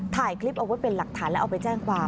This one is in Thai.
ถ่ายคลิปเอาไว้เป็นหลักฐานแล้วเอาไปแจ้งความ